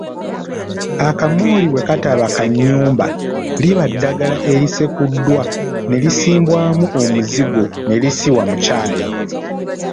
Akamooli bwe kataba kakunnyumba liba ddagala erisekuddwa ne lisibwamu omuzigo ne lisibibwa mu kyayi.